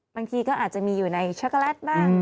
บางทีก็อาจจะมีอยู่ในช็อกโกแลตบ้าง